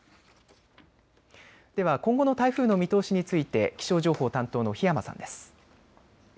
では今後の台風の見通しについて気象情報担当の檜山さんです。